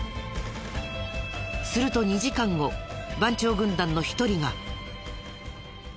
すると２時間後番長軍団の一人が。